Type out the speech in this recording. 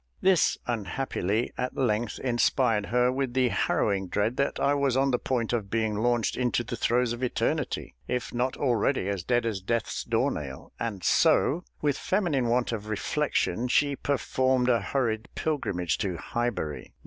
This, unhappily, at length inspired her with the harrowing dread that I was on the point of being launched into the throes of eternity, if not already as dead as Death's door nail, and so, with feminine want of reflection, she performed a hurried pilgrimage to Highbury.